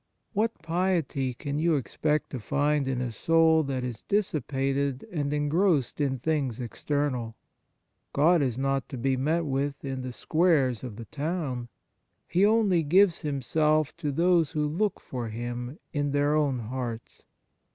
What piety can you expect to find in a soul that is dissipated and en grossed in things external ? God is not to be met with in the squares of the town ; He only gives Himself to those who look for Him in their own hearts.